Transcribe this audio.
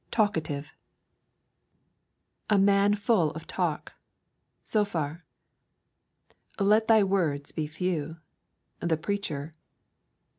TALKATIVE 'A man full of talk.' Zophar. 'Let thy words be few.' The Preacher.